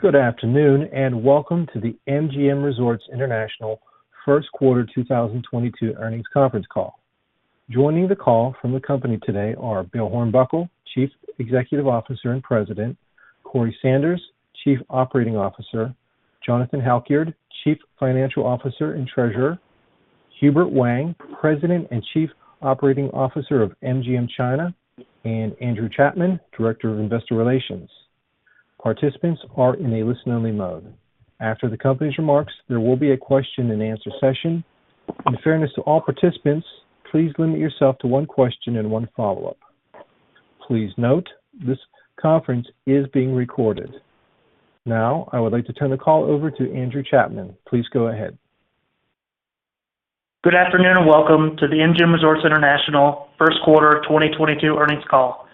Good afternoon, and welcome to the MGM Resorts International first quarter 2022 earnings conference call. Joining the call from the company today are Bill Hornbuckle, Chief Executive Officer and President, Corey Sanders, Chief Operating Officer, Jonathan Halkyard, Chief Financial Officer and Treasurer, Hubert Wang, President and Chief Operating Officer of MGM China, and Andrew Chapman, Director of Investor Relations. Participants are in a listen-only mode. After the company's remarks, there will be a Q&A session. In fairness to all participants, please limit yourself to one question and one follow-up. Please note, this conference is being recorded. Now, I would like to turn the call over to Andrew Chapman. Please go ahead. Good afternoon, and welcome to the MGM Resorts International first quarter 2022 earnings call.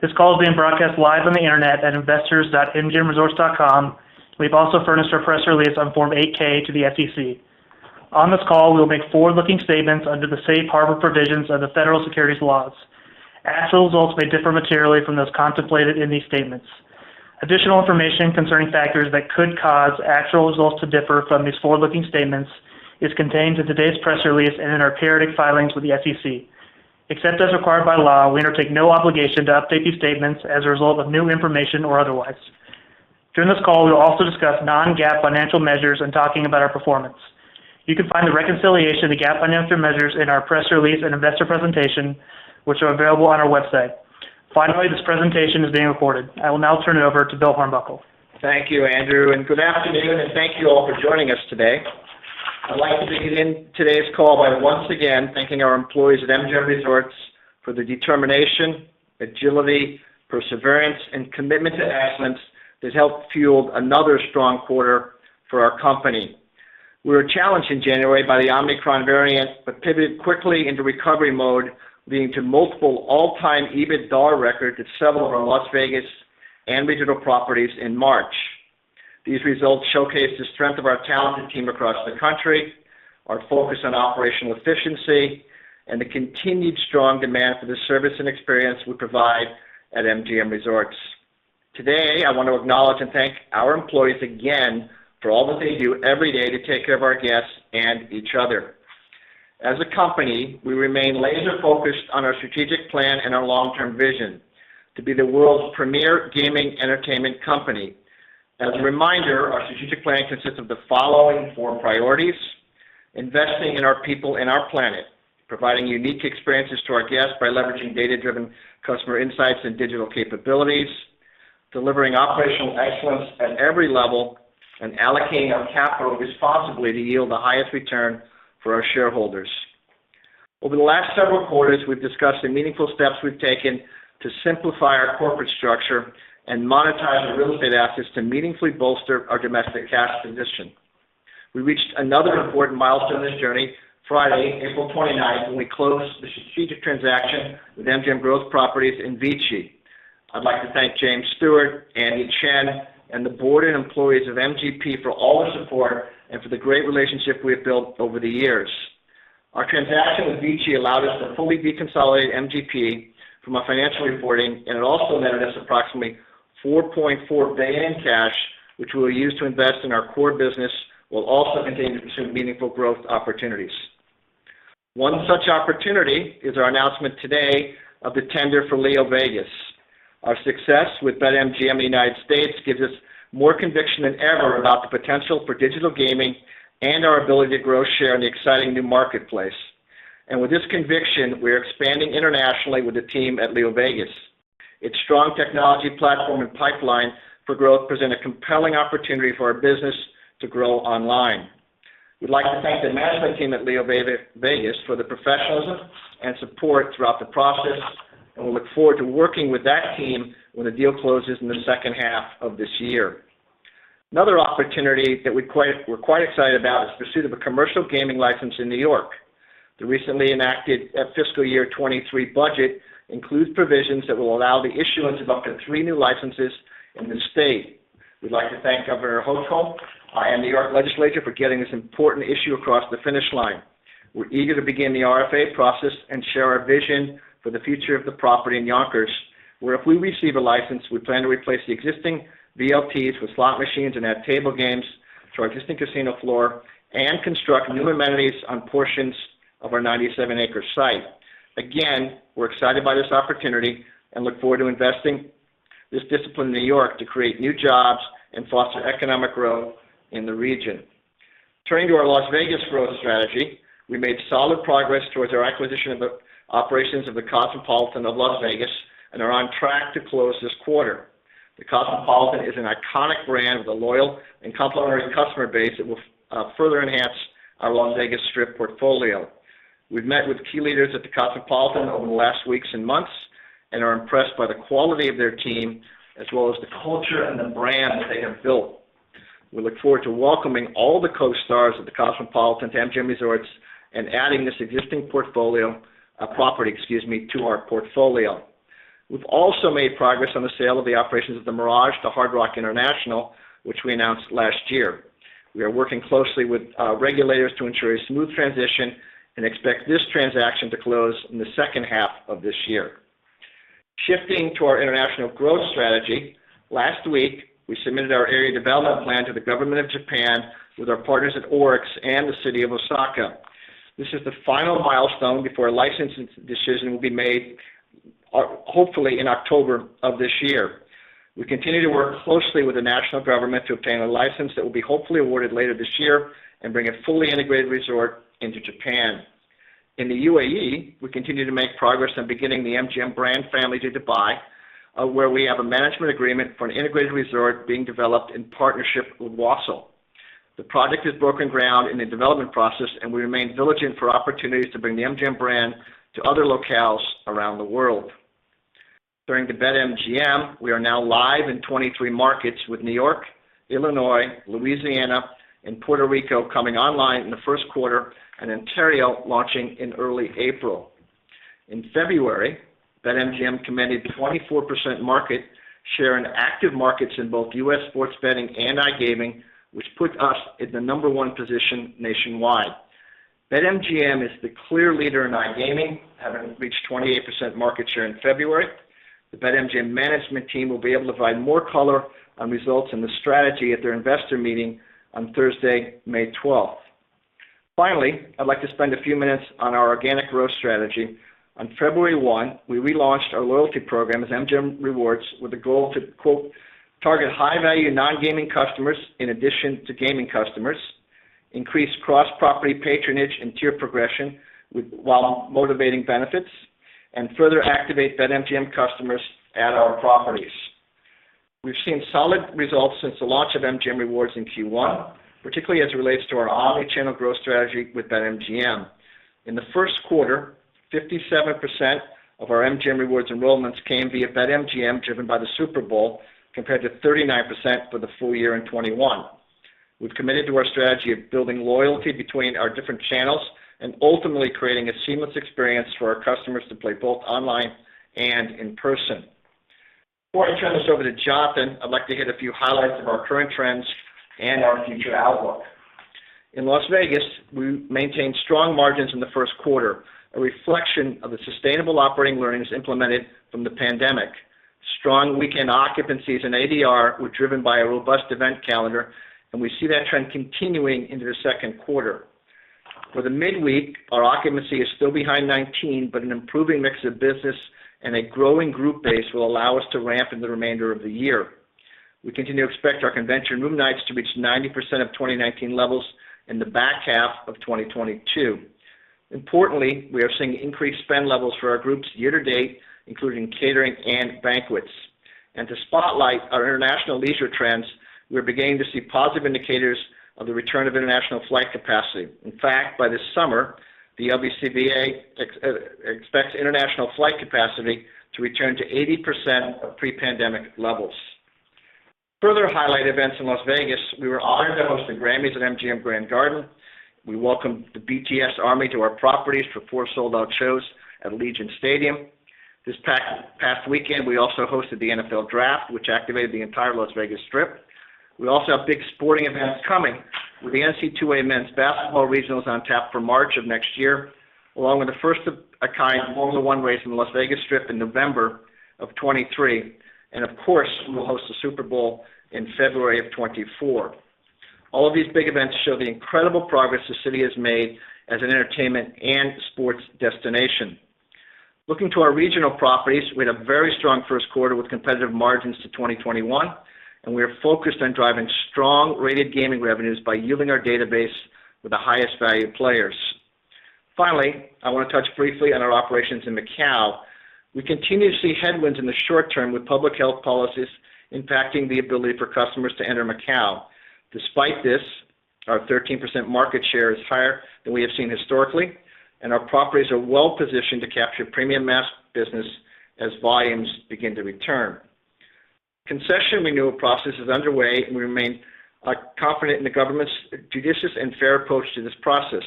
This call is being broadcast live on the Internet at investors.mgmresorts.com. We've also furnished our press release on Form 8-K to the SEC. On this call, we'll make forward-looking statements under the safe harbor provisions of the federal securities laws. Actual results may differ materially from those contemplated in these statements. Additional information concerning factors that could cause actual results to differ from these forward-looking statements is contained in today's press release and in our periodic filings with the SEC. Except as required by law, we undertake no obligation to update these statements as a result of new information or otherwise. During this call, we'll also discuss non-GAAP financial measures in talking about our performance. You can find the reconciliation of the GAAP financial measures in our press release and investor presentation, which are available on our website. Finally, this presentation is being recorded. I will now turn it over to Bill Hornbuckle. Thank you, Andrew, and good afternoon, and thank you all for joining us today. I'd like to begin today's call by once again thanking our employees at MGM Resorts for the determination, agility, perseverance, and commitment to excellence that helped fuel another strong quarter for our company. We were challenged in January by the Omicron variant, but pivoted quickly into recovery mode, leading to multiple all-time EBITDA records at several of our Las Vegas and regional properties in March. These results showcase the strength of our talented team across the country, our focus on operational efficiency, and the continued strong demand for the service and experience we provide at MGM Resorts. Today, I want to acknowledge and thank our employees again for all that they do every day to take care of our guests and each other. As a company, we remain laser-focused on our strategic plan and our long-term vision to be the world's premier gaming entertainment company. As a reminder, our strategic plan consists of the following four priorities, investing in our people and our planet, providing unique experiences to our guests by leveraging data-driven customer insights and digital capabilities, delivering operational excellence at every level, and allocating our capital responsibly to yield the highest return for our shareholders. Over the last several quarters, we've discussed the meaningful steps we've taken to simplify our corporate structure and monetize our real estate assets to meaningfully bolster our domestic cash position. We reached another important milestone in this journey Friday, April 29, when we closed the strategic transaction with MGM Growth Properties in VICI. I'd like to thank James Stewart, Andy Chen, and the board and employees of MGP for all their support and for the great relationship we have built over the years. Our transaction with VICI allowed us to fully deconsolidate MGP from our financial reporting, and it also netted us approximately $4.4 billion cash, which we'll use to invest in our core business. We'll also continue to pursue meaningful growth opportunities. One such opportunity is our announcement today of the tender for LeoVegas. Our success with BetMGM in the United States gives us more conviction than ever about the potential for digital gaming and our ability to grow share in the exciting new marketplace. With this conviction, we're expanding internationally with the team at LeoVegas. Its strong technology platform and pipeline for growth present a compelling opportunity for our business to grow online. We'd like to thank the management team at LeoVegas for their professionalism and support throughout the process, and we look forward to working with that team when the deal closes in the second half of this year. Another opportunity that we're quite excited about is pursuit of a commercial gaming license in New York. The recently enacted fiscal year 2023 budget includes provisions that will allow the issuance of up to three new licenses in the state. We'd like to thank Governor Hochul and New York Legislature for getting this important issue across the finish line. We're eager to begin the RFA process and share our vision for the future of the property in Yonkers, where if we receive a license, we plan to replace the existing VLTs with slot machines and add table games to our existing casino floor and construct new amenities on portions of our 97-acre site. Again, we're excited by this opportunity and look forward to investing this discipline in New York to create new jobs and foster economic growth in the region. Turning to our Las Vegas growth strategy, we made solid progress towards our acquisition of the operations of The Cosmopolitan of Las Vegas and are on track to close this quarter. The Cosmopolitan is an iconic brand with a loyal and complementary customer base that will further enhance our Las Vegas Strip portfolio. We've met with key leaders at the Cosmopolitan over the last weeks and months and are impressed by the quality of their team as well as the culture and the brand that they have built. We look forward to welcoming all the Co-Stars of the Cosmopolitan to MGM Resorts and adding this existing property, excuse me, to our portfolio. We've also made progress on the sale of the operations of The Mirage to Hard Rock International, which we announced last year. We are working closely with regulators to ensure a smooth transition and expect this transaction to close in the second half of this year. Shifting to our international growth strategy, last week, we submitted our area development plan to the government of Japan with our partners at ORIX and the city of Osaka. This is the final milestone before a licensing decision will be made, hopefully in October of this year. We continue to work closely with the national government to obtain a license that will be hopefully awarded later this year and bring a fully integrated resort into Japan. In the UAE, we continue to make progress on bringing the MGM brand family to Dubai, where we have a management agreement for an integrated resort being developed in partnership with Wasl. The project has broken ground in the development process, and we remain diligent for opportunities to bring the MGM brand to other locales around the world. At BetMGM, we are now live in 23 markets with New York, Illinois, Louisiana, and Puerto Rico coming online in the first quarter, and Ontario launching in early April. In February, BetMGM commanded 24% market share in active markets in both U.S. sports betting and iGaming, which put us in the number one position nationwide. BetMGM is the clear leader in iGaming, having reached 28% market share in February. The BetMGM management team will be able to provide more color on results and the strategy at their investor meeting on Thursday, May 12. Finally, I'd like to spend a few minutes on our organic growth strategy. On February 1, we relaunched our loyalty program as MGM Rewards with a goal to, quote, "Target high-value non-gaming customers in addition to gaming customers, increase cross-property patronage and tier progression while motivating benefits, and further activate BetMGM customers at our properties." We've seen solid results since the launch of MGM Rewards in Q1, particularly as it relates to our omni-channel growth strategy with BetMGM. In the first quarter, 57% of our MGM Rewards enrollments came via BetMGM, driven by the Super Bowl, compared to 39% for the full year in 2021. We've committed to our strategy of building loyalty between our different channels and ultimately creating a seamless experience for our customers to play both online and in person. Before I turn this over to Jonathan Halkyard, I'd like to hit a few highlights of our current trends and our future outlook. In Las Vegas, we maintained strong margins in the first quarter, a reflection of the sustainable operating learnings implemented from the pandemic. Strong weekend occupancies in ADR were driven by a robust event calendar, and we see that trend continuing into the second quarter. For the midweek, our occupancy is still behind 2019, but an improving mix of business and a growing group base will allow us to ramp in the remainder of the year. We continue to expect our convention room nights to reach 90% of 2019 levels in the back half of 2022. Importantly, we are seeing increased spend levels for our groups year to date, including catering and banquets. To spotlight our international leisure trends, we're beginning to see positive indicators of the return of international flight capacity. In fact, by this summer, the LVCVA expects international flight capacity to return to 80% of pre-pandemic levels. To further highlight events in Las Vegas, we were honored to host the Grammys at MGM Grand Garden. We welcomed the BTS Army to our properties for 4 sold-out shows at Allegiant Stadium. This past weekend, we also hosted the NFL Draft, which activated the entire Las Vegas Strip. We also have big sporting events coming with the NCAA Men's Basketball Regionals on tap for March of next year, along with a first of a kind Formula One race in the Las Vegas Strip in November of 2023. Of course, we will host the Super Bowl in February of 2024. All of these big events show the incredible progress the city has made as an entertainment and sports destination. Looking to our regional properties, we had a very strong first quarter with competitive margins to 2021, and we are focused on driving strong rated gaming revenues by yielding our database with the highest value players. Finally, I wanna touch briefly on our operations in Macau. We continue to see headwinds in the short term with public health policies impacting the ability for customers to enter Macau. Despite this, our 13% market share is higher than we have seen historically, and our properties are well-positioned to capture premium mass business as volumes begin to return. Concession renewal process is underway, and we remain confident in the government's judicious and fair approach to this process.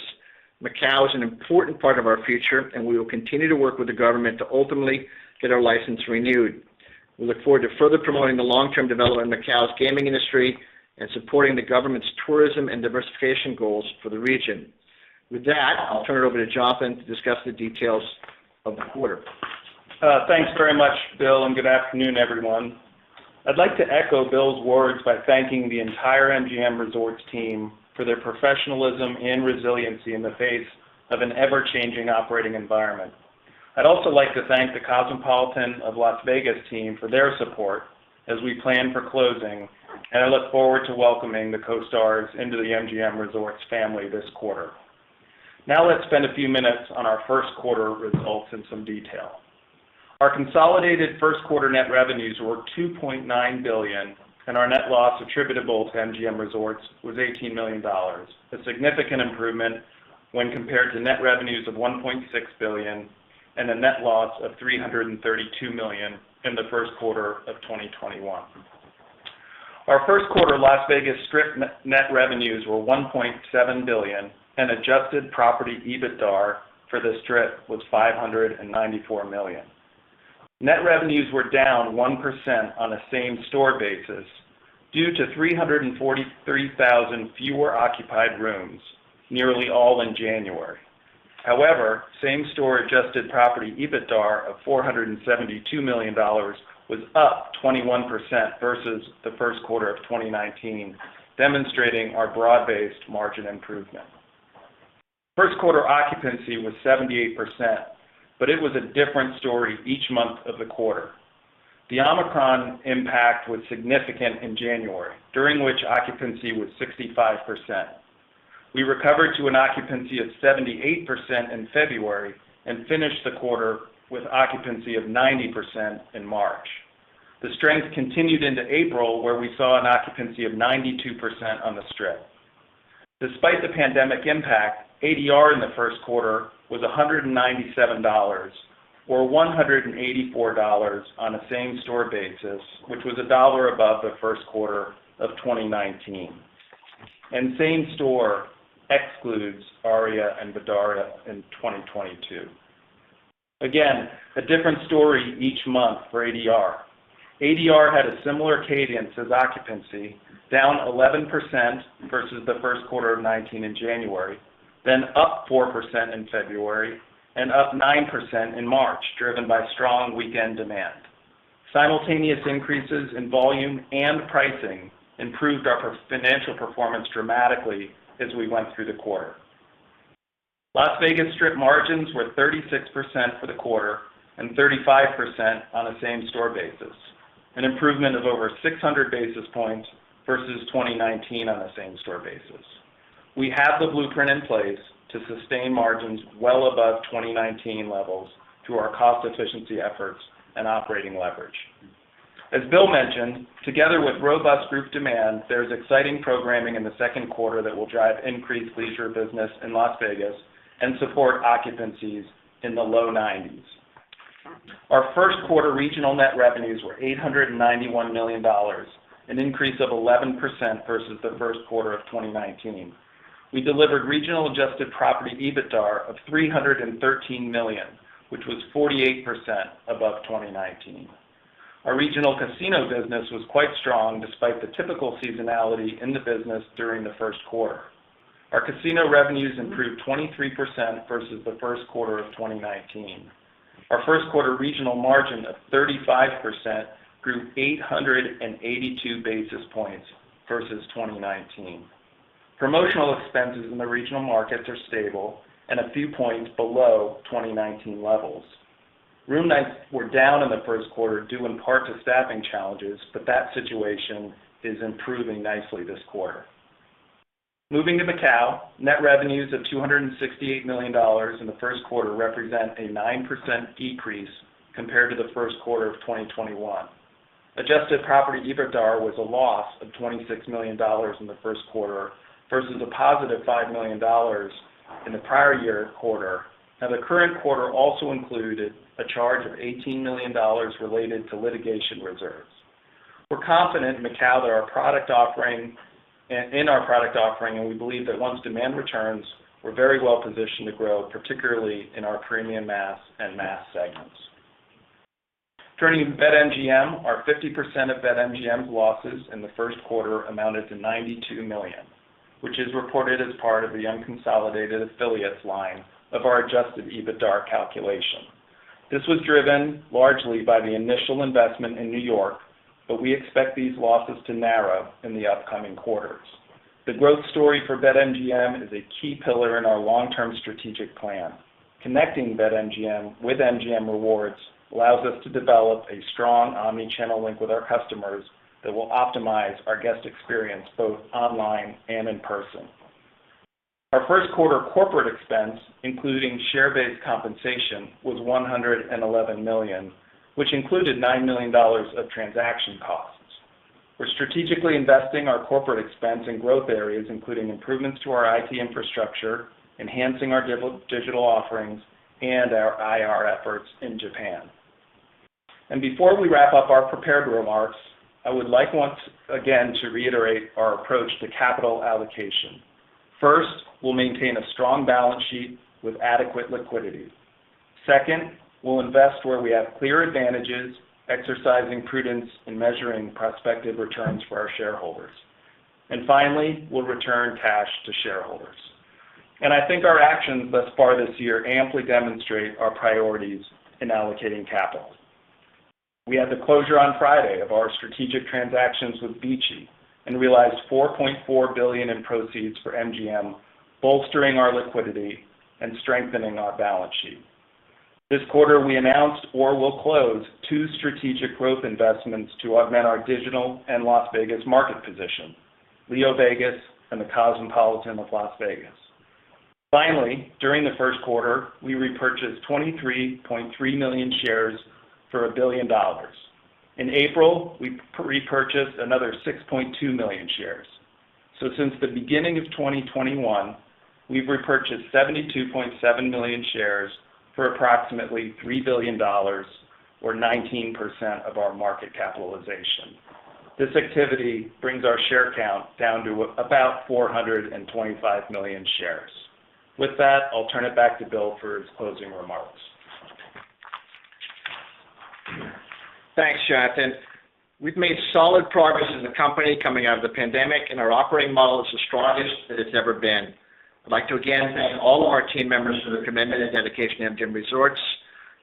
Macau is an important part of our future, and we will continue to work with the government to ultimately get our license renewed. We look forward to further promoting the long-term development of Macau's gaming industry and supporting the government's tourism and diversification goals for the region. With that, I'll turn it over to Jonathan Halkyard to discuss the details of the quarter. Thanks very much, Bill, and good afternoon, everyone. I'd like to echo Bill's words by thanking the entire MGM Resorts team for their professionalism and resiliency in the face of an ever-changing operating environment. I'd also like to thank the Cosmopolitan of Las Vegas team for their support as we plan for closing, and I look forward to welcoming the Co-Stars into the MGM Resorts family this quarter. Now let's spend a few minutes on our first quarter results in some detail. Our consolidated first quarter net revenues were $2.9 billion, and our net loss attributable to MGM Resorts was $18 million, a significant improvement when compared to net revenues of $1.6 billion and a net loss of $332 million in the first quarter of 2021. Our first quarter Las Vegas Strip net net revenues were $1.7 billion, and adjusted property EBITDAR for the Strip was $594 million. Net revenues were down 1% on a same-store basis due to 343,000 fewer occupied rooms, nearly all in January. However, same-store adjusted property EBITDAR of $472 million was up 21% versus the first quarter of 2019, demonstrating our broad-based margin improvement. First quarter occupancy was 78%, but it was a different story each month of the quarter. The Omicron impact was significant in January, during which occupancy was 65%. We recovered to an occupancy of 78% in February and finished the quarter with occupancy of 90% in March. The strength continued into April, where we saw an occupancy of 92% on the Strip. Despite the pandemic impact, ADR in the first quarter was $197 or $184 on a same-store basis, which was $1 above the first quarter of 2019. Same-store excludes ARIA and Vdara in 2022. Again, a different story each month for ADR. ADR had a similar cadence as occupancy, down 11% versus the first quarter of 2019 in January, then up 4% in February, and up 9% in March, driven by strong weekend demand. Simultaneous increases in volume and pricing improved our financial performance dramatically as we went through the quarter. Las Vegas Strip margins were 36% for the quarter and 35% on a same-store basis, an improvement of over 600 basis points versus 2019 on a same-store basis. We have the blueprint in place to sustain margins well above 2019 levels through our cost efficiency efforts and operating leverage. As Bill mentioned, together with robust group demand, there's exciting programming in the second quarter that will drive increased leisure business in Las Vegas and support occupancies in the low 90s. Our first quarter regional net revenues were $891 million, an increase of 11% versus the first quarter of 2019. We delivered regional adjusted property EBITDAR of $313 million, which was 48% above 2019. Our regional casino business was quite strong despite the typical seasonality in the business during the first quarter. Our casino revenues improved 23% versus the first quarter of 2019. Our first quarter regional margin of 35% grew 882 basis points versus 2019. Promotional expenses in the regional markets are stable and a few points below 2019 levels. Room nights were down in the first quarter due in part to staffing challenges, but that situation is improving nicely this quarter. Moving to Macau, net revenues of $268 million in the first quarter represent a 9% decrease compared to the first quarter of 2021. Adjusted property EBITDAR was a loss of $26 million in the first quarter versus a positive $5 million in the prior year quarter. Now the current quarter also included a charge of $18 million related to litigation reserves. We're confident in Macau that our product offering, and we believe that once demand returns, we're very well positioned to grow, particularly in our premium mass and mass segments. Turning to BetMGM, our 50% of BetMGM's losses in the first quarter amounted to $92 million, which is reported as part of the unconsolidated affiliates line of our adjusted EBITDAR calculation. This was driven largely by the initial investment in New York, but we expect these losses to narrow in the upcoming quarters. The growth story for BetMGM is a key pillar in our long-term strategic plan. Connecting BetMGM with MGM Rewards allows us to develop a strong omni-channel link with our customers that will optimize our guest experience both online and in person. Our first quarter corporate expense, including share-based compensation, was $111 million, which included $9 million of transaction costs. We're strategically investing our corporate expense in growth areas, including improvements to our IT infrastructure, enhancing our digital offerings, and our IR efforts in Japan. Before we wrap up our prepared remarks, I would like once again to reiterate our approach to capital allocation. First, we'll maintain a strong balance sheet with adequate liquidity. Second, we'll invest where we have clear advantages, exercising prudence in measuring prospective returns for our shareholders. Finally, we'll return cash to shareholders. I think our actions thus far this year amply demonstrate our priorities in allocating capital. We had the closure on Friday of our strategic transactions with VICI and realized $4.4 billion in proceeds for MGM, bolstering our liquidity and strengthening our balance sheet. This quarter, we announced or will close two strategic growth investments to augment our digital and Las Vegas market position, LeoVegas and The Cosmopolitan of Las Vegas. Finally, during the first quarter, we repurchased 23.3 million shares for $1 billion. In April, we repurchased another 6.2 million shares. Since the beginning of 2021, we've repurchased 72.7 million shares for approximately $3 billion or 19% of our market capitalization. This activity brings our share count down to about 425 million shares. With that, I'll turn it back to Bill for his closing remarks. Thanks, Jonathan. We've made solid progress as a company coming out of the pandemic, and our operating model is the strongest that it's ever been. I'd like to again thank all of our team members for their commitment and dedication to MGM Resorts.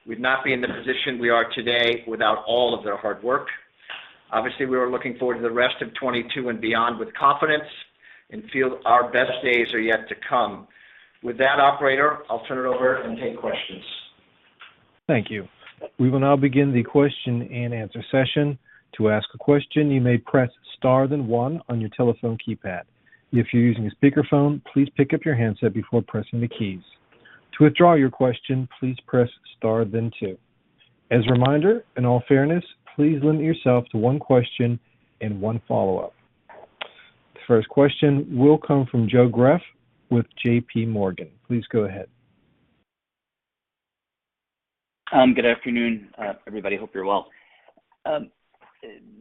We'd not be in the position we are today without all of their hard work. Obviously, we are looking forward to the rest of 2022 and beyond with confidence and feel our best days are yet to come. With that operator, I'll turn it over and take questions. Thank you. We will now begin the Q&A session. To ask a question, you may press star then one on your telephone keypad. If you're using a speakerphone, please pick up your handset before pressing the keys. To withdraw your question, please press star then two. As a reminder, in all fairness, please limit yourself to one question and one follow-up. The first question will come from Joe Greff with JPMorgan. Please go ahead. Good afternoon, everybody. Hope you're well.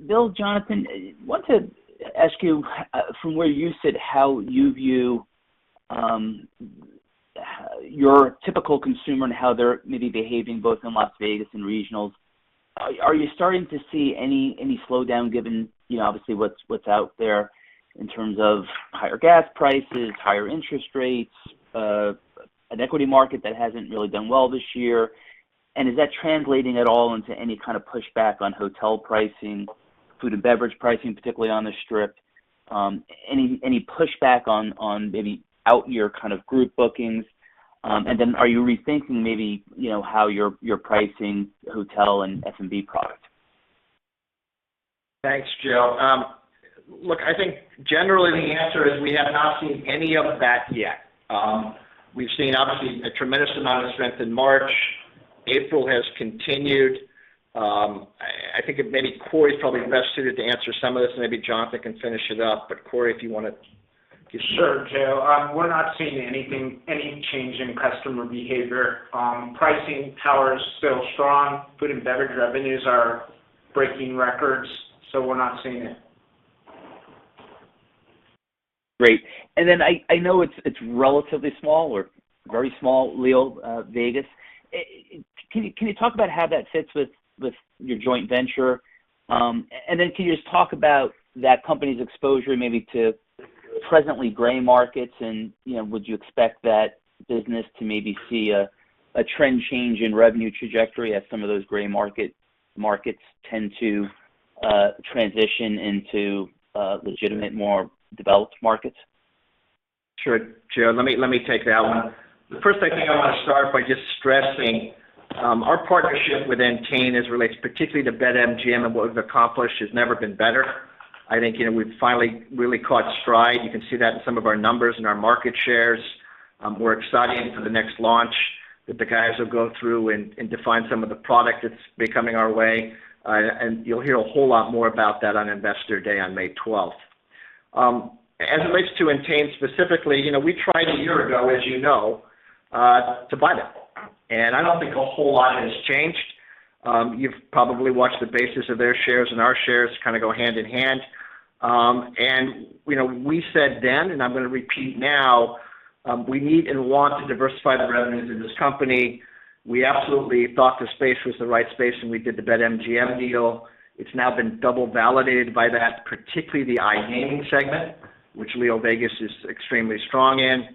Bill, Jonathan, want to ask you from where you sit, how you view your typical consumer and how they're maybe behaving both in Las Vegas and regionals. Are you starting to see any slowdown given, you know, obviously what's out there in terms of higher gas prices, higher interest rates, an equity market that hasn't really done well this year? And is that translating at all into any kind of pushback on hotel pricing, food and beverage pricing, particularly on the Strip? Any pushback on maybe out year kind of group bookings? And then are you rethinking maybe, you know, how you're pricing hotel and F&B product? Thanks, Joe. Look, I think generally the answer is we have not seen any of that yet. We've seen obviously a tremendous amount of strength in March. April has continued. I think maybe Corey is probably best suited to answer some of this, and maybe Jonathan can finish it up, but Corey, if you want to just. Sure, Joe. We're not seeing any change in customer behavior. Pricing power is still strong. Food and beverage revenues are breaking records, so we're not seeing it. Great. I know it's relatively small or very small, LeoVegas. Can you talk about how that fits with your joint venture? Can you just talk about that company's exposure maybe to presently gray markets, and you know, would you expect that business to maybe see a trend change in revenue trajectory as some of those gray markets tend to transition into legitimate, more developed markets? Sure. Joe, let me take that one. First, I think I want to start by just stressing our partnership with Entain as it relates particularly to BetMGM and what we've accomplished has never been better. I think, you know, we've finally really caught stride. You can see that in some of our numbers and our market shares. We're excited for the next launch that the guys will go through and define some of the product that's becoming our way. You'll hear a whole lot more about that on Investor Day on May twelfth. As it relates to Entain specifically, you know, we tried a year ago, as you know, to buy them. I don't think a whole lot has changed. You've probably watched the basis of their shares and our shares kind of go hand in hand. you know, we said then, and I'm going to repeat now, we need and want to diversify the revenues in this company. We absolutely thought the space was the right space when we did the BetMGM deal. It's now been double validated by that, particularly the iGaming segment, which LeoVegas is extremely strong in.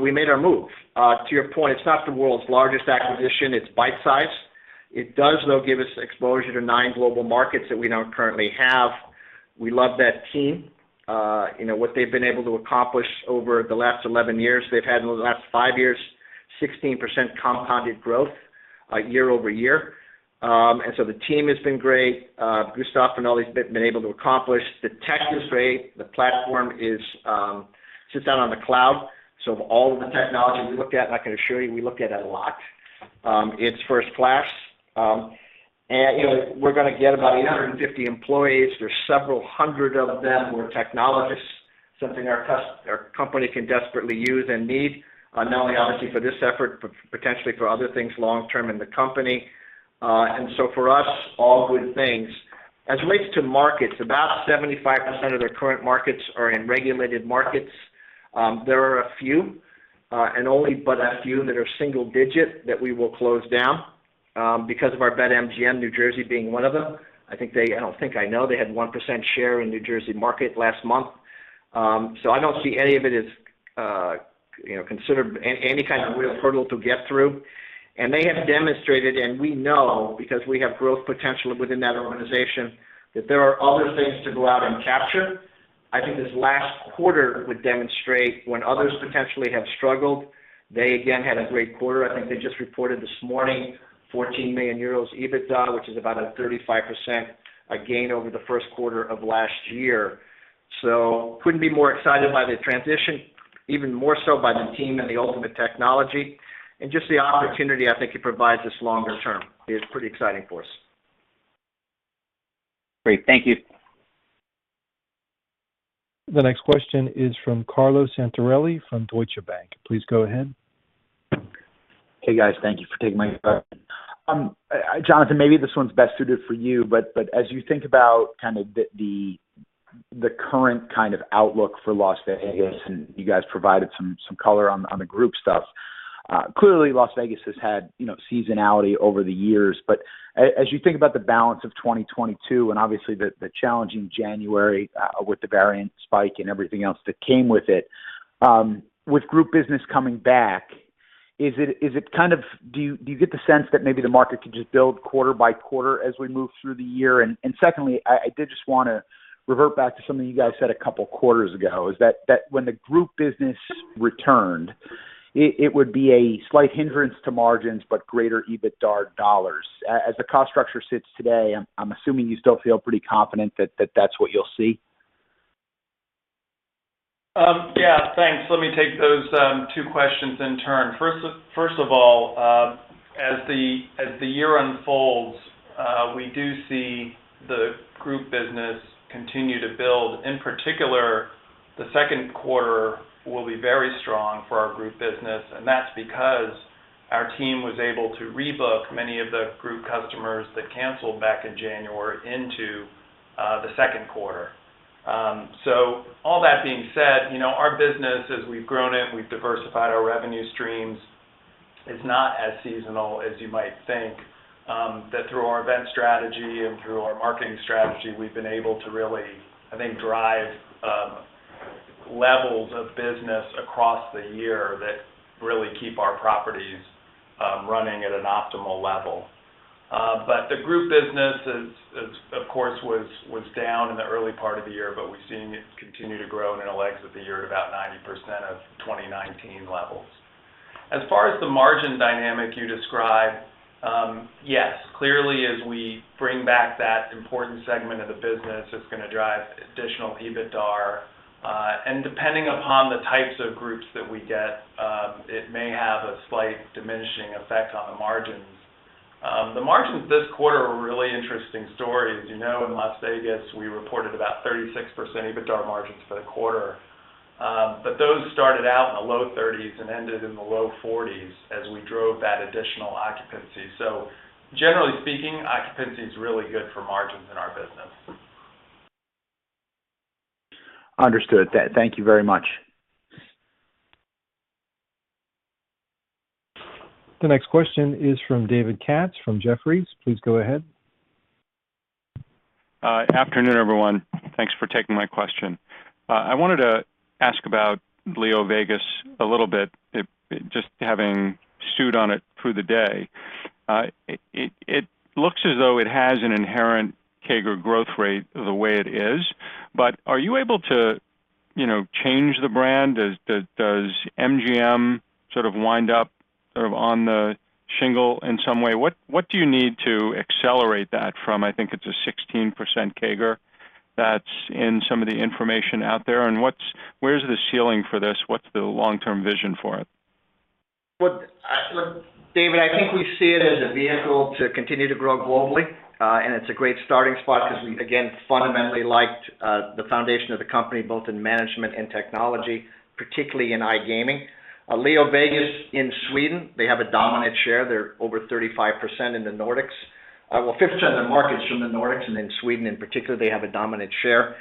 We made our move. To your point, it's not the world's largest acquisition. It's bite-sized. It does, though, give us exposure to nine global markets that we don't currently have. We love that team. you know, what they've been able to accomplish over the last 11 years. They've had in the last five years 16% compounded growth, year-over-year. The team has been great. Gustaf and all he's been able to accomplish. The tech is great. The platform sits out on the cloud. Of all the technology we looked at, and I can assure you, we looked at a lot, it's first class. You know, we're gonna get about 850 employees. There's several hundred of them who are technologists, something our company can desperately use and need, not only obviously for this effort, but potentially for other things long term in the company. For us, all good things. As it relates to markets, about 75% of their current markets are in regulated markets. There are a few, and only but a few that are single digit that we will close down, because of our BetMGM, New Jersey being one of them. I think they—I don't think, I know they had 1% share in New Jersey market last month. So I don't see any of it as, you know, considered any kind of real hurdle to get through. They have demonstrated, and we know because we have growth potential within that organization, that there are other things to go out and capture. I think this last quarter would demonstrate when others potentially have struggled. They again had a great quarter. I think they just reported this morning 14 million euros EBITDA, which is about a 35% gain over the first quarter of last year. Couldn't be more excited by the transition, even more so by the team and the ultimate technology and just the opportunity I think it provides us longer term is pretty exciting for us. Great. Thank you. The next question is from Carlo Santarelli from Deutsche Bank. Please go ahead. Hey, guys. Thank you for taking my question. Jonathan, maybe this one's best suited for you, but as you think about kind of the current kind of outlook for Las Vegas, and you guys provided some color on the group stuff. Clearly Las Vegas has had, you know, seasonality over the years. As you think about the balance of 2022 and obviously the challenging January, with the variant spike and everything else that came with it, with group business coming back, is it kind of, do you get the sense that maybe the market could just build quarter-by-quarter as we move through the year? Secondly, I did just wanna revert back to something you guys said a couple quarters ago, is that when the group business returned, it would be a slight hindrance to margins but greater EBITDAR dollars. As the cost structure sits today, I'm assuming you still feel pretty confident that that's what you'll see. Yeah, thanks. Let me take those two questions in turn. First of all, as the year unfolds, we do see the group business continue to build. In particular, the second quarter will be very strong for our group business, and that's because our team was able to rebook many of the group customers that canceled back in January into the second quarter. All that being said, you know, our business as we've grown it, we've diversified our revenue streams, is not as seasonal as you might think. That through our event strategy and through our marketing strategy, we've been able to really, I think, drive levels of business across the year that really keep our properties running at an optimal level. The group business was down in the early part of the year, but we've seen it continue to grow in the latter part of the year at about 90% of 2019 levels. As far as the margin dynamic you described, yes. Clearly, as we bring back that important segment of the business, it's gonna drive additional EBITDAR. Depending upon the types of groups that we get, it may have a slight diminishing effect on the margins. The margins this quarter were a really interesting story. As you know, in Las Vegas, we reported about 36% EBITDAR margins for the quarter. Those started out in the low 30s and ended in the low 40s as we drove that additional occupancy. Generally speaking, occupancy is really good for margins in our business. Understood. Thank you very much. The next question is from David Katz from Jefferies. Please go ahead. Afternoon, everyone. Thanks for taking my question. I wanted to ask about LeoVegas a little bit, just having chewed on it through the day. It looks as though it has an inherent CAGR growth rate the way it is. But are you able to, you know, change the brand? Does MGM sort of wind up sort of on the shingle in some way? What do you need to accelerate that from, I think, it's a 16% CAGR that's in some of the information out there, and where's the ceiling for this? What's the long-term vision for it? Look, David, I think we see it as a vehicle to continue to grow globally. It's a great starting spot because we again, fundamentally liked, the foundation of the company, both in management and technology, particularly in iGaming. LeoVegas in Sweden, they have a dominant share. They're over 35% in the Nordics. Well, 50% of the market's from the Nordics, and in Sweden in particular, they have a dominant share.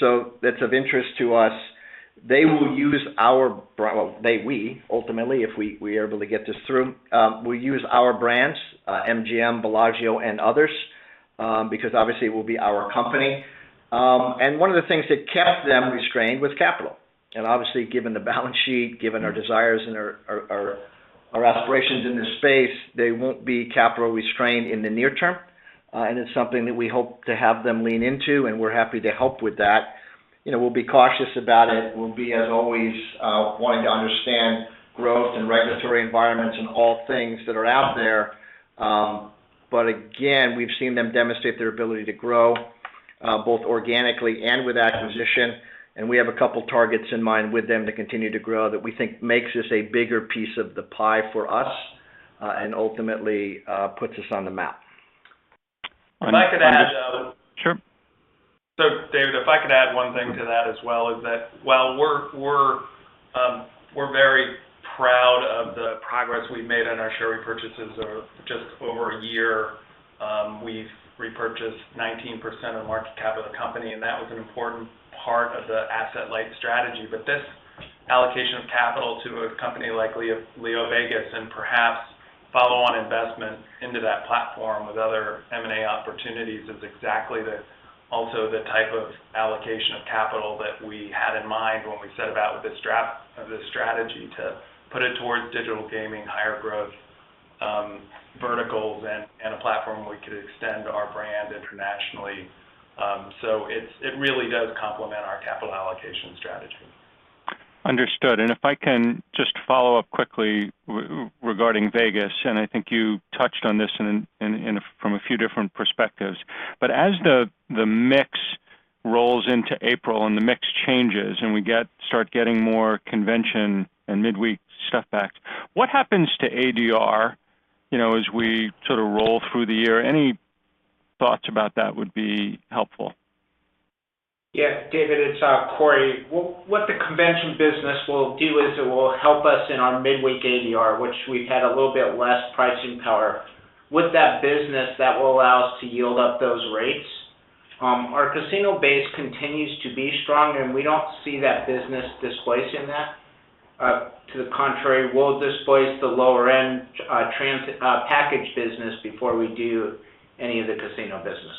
So that's of interest to us. They will use our brands, ultimately, if we are able to get this through, will use our brands, MGM, Bellagio, and others, because obviously it will be our company. One of the things that kept them restrained was capital. Obviously, given the balance sheet, given our desires and our aspirations in this space, they won't be capital constrained in the near term. It's something that we hope to have them lean into, and we're happy to help with that. You know, we'll be cautious about it. We'll be, as always, wanting to understand growth and regulatory environments and all things that are out there. Again, we've seen them demonstrate their ability to grow, both organically and with acquisition. We have a couple targets in mind with them to continue to grow that we think makes this a bigger piece of the pie for us, and ultimately, puts us on the map. If I could add, Sure. David, if I could add one thing to that as well, is that while we're very proud of the progress we've made on our share repurchases of just over a year, we've repurchased 19% of market cap of the company, and that was an important part of the asset-light strategy. This allocation of capital to a company like LeoVegas and perhaps follow-on investment into that platform with other M&A opportunities is exactly also the type of allocation of capital that we had in mind when we set about with this strategy to put it towards digital gaming, higher growth, verticals and a platform we could extend our brand internationally. It really does complement our capital allocation strategy. Understood. If I can just follow up quickly regarding Vegas, I think you touched on this in from a few different perspectives. As the mix rolls into April and the mix changes and we get more convention and midweek stuff back, what happens to ADR, you know, as we sort of roll through the year? Any thoughts about that would be helpful. Yeah. David, it's Corey. What the convention business will do is it will help us in our midweek ADR, which we've had a little bit less pricing power. With that business that will allow us to yield up those rates. Our casino base continues to be strong, and we don't see that business displacing that. To the contrary, we'll displace the lower-end package business before we do any of the casino business.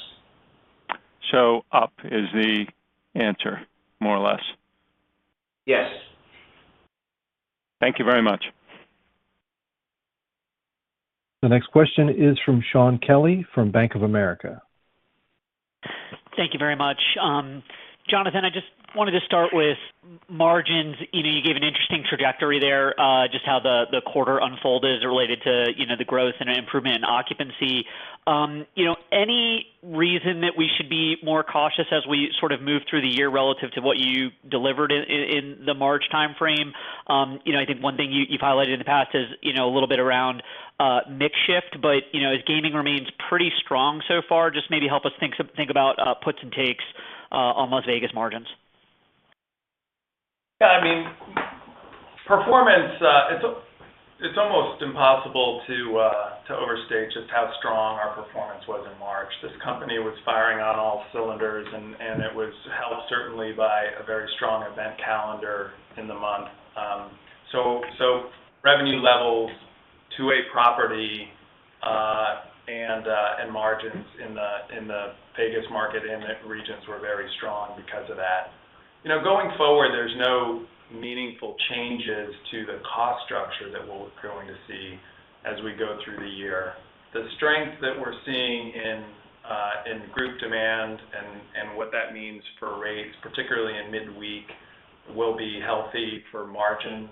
Up is the answer more or less. Yes. Thank you very much. The next question is from Shaun Kelley from Bank of America. Thank you very much. Jonathan, I just wanted to start with margins. You know, you gave an interesting trajectory there, just how the quarter unfolded as it related to, you know, the growth and improvement in occupancy. You know, any reason that we should be more cautious as we sort of move through the year relative to what you delivered in the March time frame? You know, I think one thing you've highlighted in the past is, you know, a little bit around mix shift, but, you know, as gaming remains pretty strong so far, just maybe help us think about puts and takes on Las Vegas margins. Yeah, I mean, performance. It's almost impossible to overstate just how strong our performance was in March. This company was firing on all cylinders, and it was helped certainly by a very strong event calendar in the month. So revenue levels at a property and margins in the Vegas market and the regions were very strong because of that. You know, going forward, there's no meaningful changes to the cost structure that we're going to see as we go through the year. The strength that we're seeing in group demand and what that means for rates, particularly in midweek, will be healthy for margins.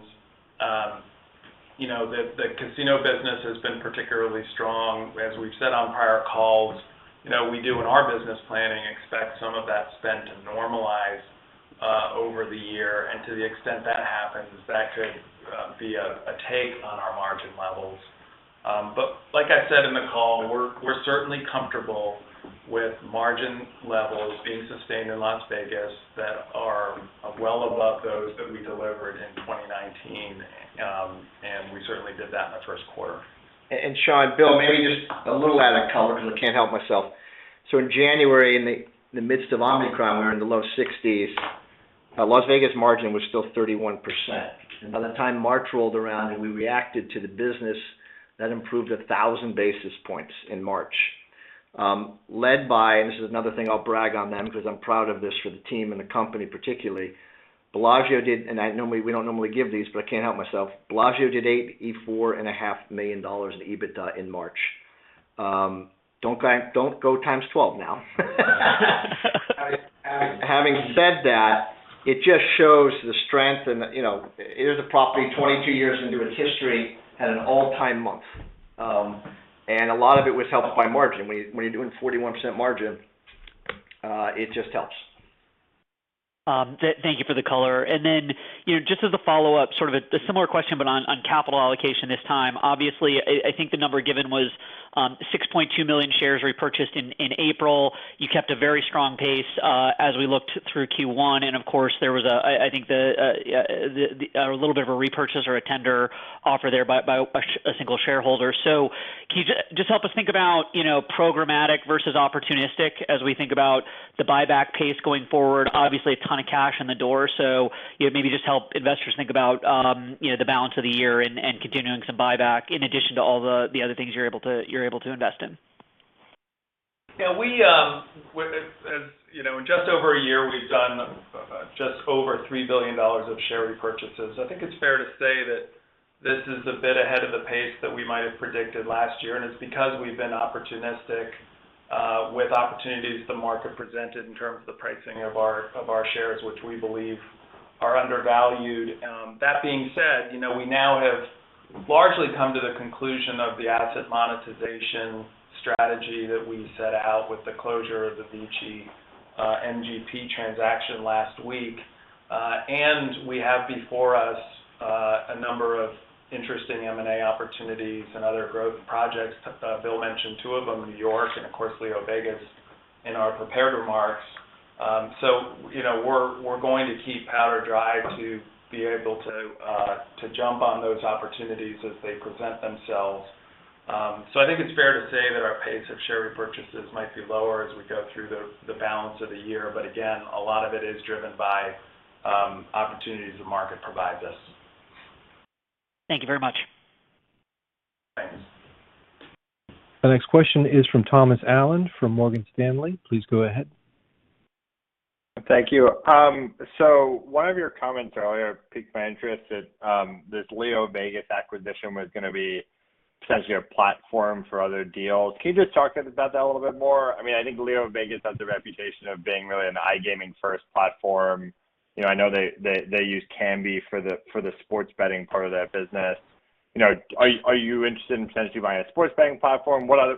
You know, the casino business has been particularly strong, as we've said on prior calls. You know, we do in our business planning expect some of that spend to normalize over the year, and to the extent that happens, that could be a take on our margin levels. Like I said in the call, we're certainly comfortable with margin levels being sustained in Las Vegas that are well above those that we delivered in 2019. We certainly did that in the first quarter. Shawn, Bill, maybe just a little add of color because I can't help myself. In January, in the midst of Omicron, we were in the low 60s. Las Vegas margin was still 31%. By the time March rolled around, and we reacted to the business, that improved 1,000 basis points in March. Led by, and this is another thing I'll brag on them because I'm proud of this for the team and the company particularly, Bellagio did. Normally we don't give these, but I can't help myself. Bellagio did $4.5 million in EBITDA in March. Don't go times 12 now. Having said that, it just shows the strength and, you know, it is a property 22 years into its history, had an all-time month. A lot of it was helped by margin. When you're doing 41% margin, it just helps. Thank you for the color. You know, just as a follow-up, sort of a similar question, but on capital allocation this time. Obviously, I think the number given was 6.2 million shares repurchased in April. You kept a very strong pace as we looked through Q1. Of course, there was a little bit of a repurchase or a tender offer there by a single shareholder. Can you just help us think about, you know, programmatic versus opportunistic as we think about the buyback pace going forward? Obviously, a ton of cash in the door. you know, maybe just help investors think about, you know, the balance of the year and continuing some buyback in addition to all the other things you're able to invest in. Yeah, we, as you know, in just over a year, we've done just over $3 billion of share repurchases. I think it's fair to say that this is a bit ahead of the pace that we might have predicted last year, and it's because we've been opportunistic with opportunities the market presented in terms of the pricing of our shares, which we believe are undervalued. That being said, you know, we now have largely come to the conclusion of the asset monetization strategy that we set out with the closure of the VICI MGP transaction last week. We have before us a number of interesting M&A opportunities and other growth projects. Bill mentioned two of them, New York and of course LeoVegas, in our prepared remarks. You know, we're going to keep powder dry to be able to to jump on those opportunities as they present themselves. I think it's fair to say that our pace of share repurchases might be lower as we go through the balance of the year. Again, a lot of it is driven by opportunities the market provides us. Thank you very much. Thanks. The next question is from Thomas Allen from Morgan Stanley. Please go ahead. Thank you. So one of your comments earlier piqued my interest that this LeoVegas acquisition was gonna be essentially a platform for other deals. Can you just talk about that a little bit more? I mean, I think LeoVegas has the reputation of being really an iGaming first platform. You know, I know they use Kambi for the sports betting part of their business. You know, are you interested in potentially buying a sports betting platform? What other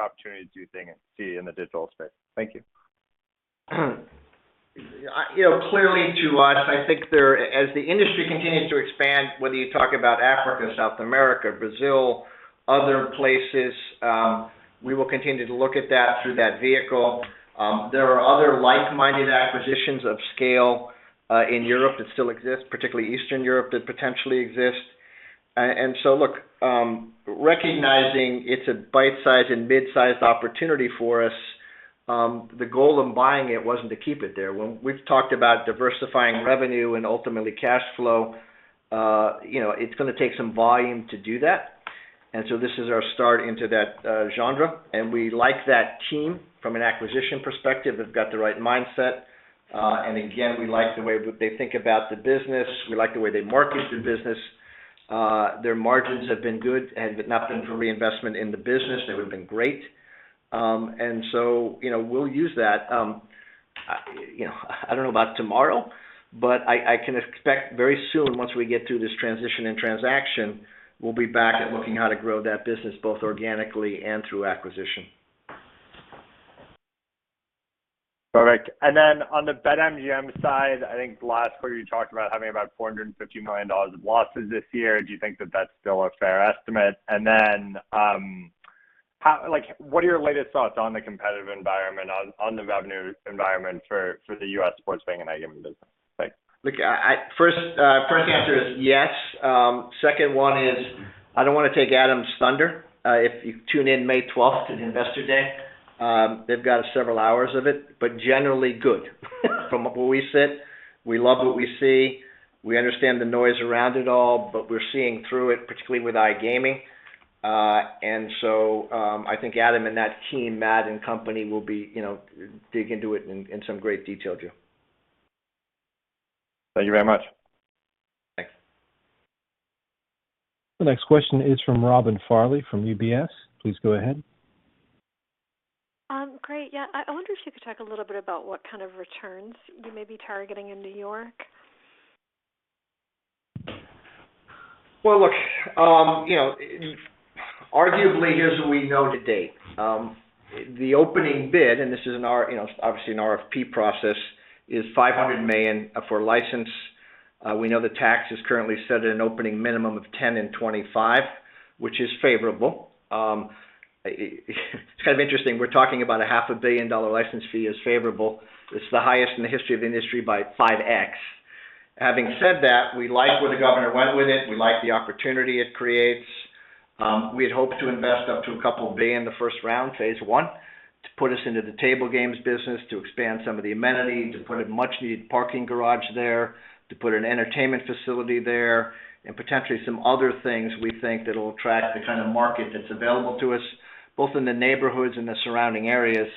opportunities do you see in the digital space? Thank you. You know, clearly to us, I think as the industry continues to expand, whether you talk about Africa, South America, Brazil, other places, we will continue to look at that through that vehicle. There are other like-minded acquisitions of scale in Europe that still exists, particularly Eastern Europe that potentially exists. Look, recognizing it's a bite-sized and mid-sized opportunity for us, the goal of buying it wasn't to keep it there. When we've talked about diversifying revenue and ultimately cash flow, you know, it's gonna take some volume to do that. This is our start into that genre, and we like that team from an acquisition perspective. They've got the right mindset. Again, we like the way they think about the business. We like the way they market the business. Their margins have been good. Had it not been for reinvestment in the business, they would have been great. You know, we'll use that. You know, I don't know about tomorrow, but I can expect very soon once we get through this transition and transaction, we'll be back at looking how to grow that business both organically and through acquisition. Perfect. On the BetMGM side, I think last quarter you talked about having about $450 million of losses this year. Do you think that that's still a fair estimate? How, like, what are your latest thoughts on the competitive environment, on the revenue environment for the U.S. sports betting and iGaming business? Thanks. Look, first answer is yes. Second one is, I don't wanna take Adam's thunder. If you tune in May twelfth to the Investor Day, they've got several hours of it, but generally good. From where we sit, we love what we see. We understand the noise around it all, but we're seeing through it, particularly with iGaming. I think Adam and that team, Matt and company, will, you know, dig into it in some great detail, Jim. Thank you very much. Thanks. The next question is from Robin Farley from UBS. Please go ahead. Great. Yeah. I wonder if you could talk a little bit about what kind of returns you may be targeting in New York. Well, look, you know, arguably, here's what we know to date. The opening bid, and this is an RFP process, is $500 million for license. We know the tax is currently set at an opening minimum of 10% and 25%, which is favorable. It's kind of interesting, we're talking about a half a billion dollar license fee as favorable. It's the highest in the history of the industry by 5x. Having said that, we like where the governor went with it. We like the opportunity it creates. We had hoped to invest up to $2 billion in the first round, phase I, to put us into the table games business, to expand some of the amenities, to put a much needed parking garage there, to put an entertainment facility there, and potentially some other things we think that'll attract the kind of market that's available to us, both in the neighborhoods and the surrounding areas.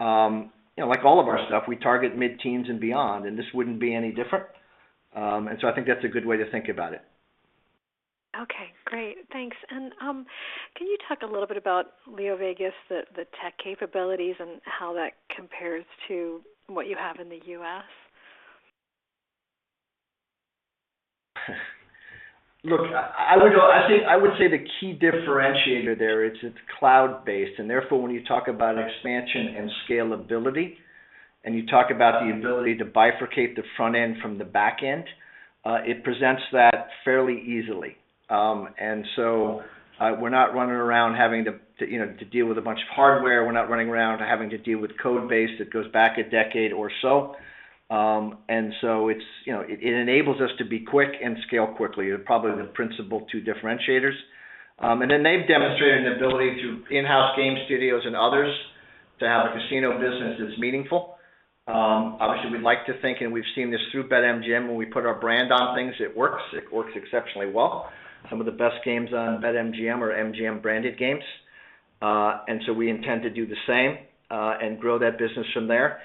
You know, like all of our stuff, we target mid-teens and beyond, and this wouldn't be any different. I think that's a good way to think about it. Okay, great. Thanks. Can you talk a little bit about LeoVegas, the tech capabilities and how that compares to what you have in the U.S.? Look, I think I would say the key differentiator there is it's cloud-based, and therefore, when you talk about expansion and scalability, and you talk about the ability to bifurcate the front end from the back end, it presents that fairly easily. We're not running around having to you know to deal with a bunch of hardware. We're not running around having to deal with code base that goes back a decade or so. It's you know it enables us to be quick and scale quickly. They're probably the principal two differentiators. They've demonstrated an ability through in-house game studios and others to have a casino business that's meaningful. Obviously, we like to think, and we've seen this through BetMGM, when we put our brand on things, it works. It works exceptionally well. Some of the best games on BetMGM are MGM-branded games. We intend to do the same, and grow that business from there.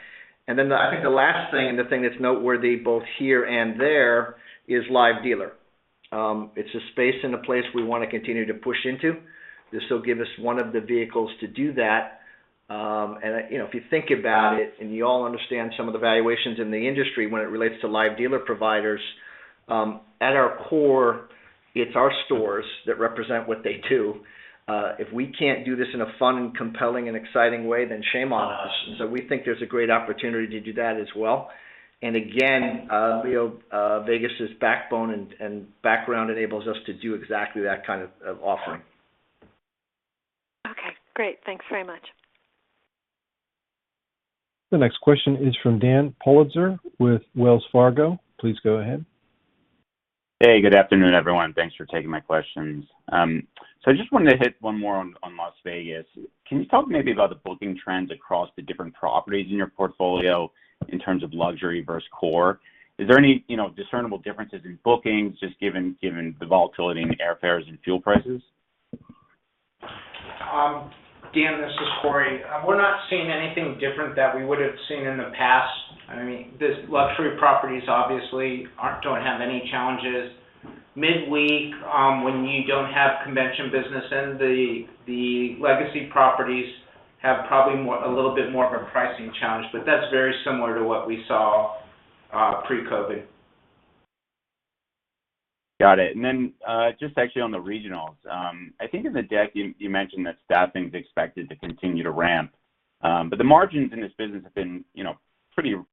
I think the last thing and the thing that's noteworthy both here and there is live dealer. It's a space and a place we wanna continue to push into. This will give us one of the vehicles to do that. You know, if you think about it, and you all understand some of the valuations in the industry when it relates to live dealer providers, at our core, it's our stores that represent what they do. If we can't do this in a fun and compelling and exciting way, then shame on us. We think there's a great opportunity to do that as well. Again, LeoVegas's backbone and background enables us to do exactly that kind of offering. Okay, great. Thanks very much. The next question is from Daniel Politzer with Wells Fargo. Please go ahead. Hey, good afternoon, everyone. Thanks for taking my questions. I just wanted to hit one more on Las Vegas. Can you talk maybe about the booking trends across the different properties in your portfolio in terms of luxury versus core? Is there any, you know, discernible differences in bookings just given the volatility in the airfares and fuel prices? Dan, this is Corey. We're not seeing anything different that we would have seen in the past. I mean, this luxury properties obviously don't have any challenges. Midweek, when you don't have convention business in, the legacy properties have probably a little bit more of a pricing challenge, but that's very similar to what we saw pre-COVID. Got it. Just actually on the regionals. I think in the deck you mentioned that staffing is expected to continue to ramp. The margins in this business have been, you know,